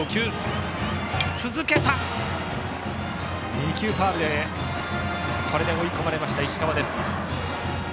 ２球ファウルで追い込まれた石川です。